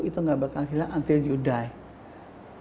itu ga bakal hilang until you die